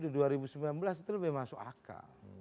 di dua ribu sembilan belas itu lebih masuk akal